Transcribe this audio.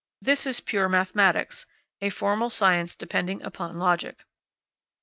This is pure mathematics, a formal science depending upon logic.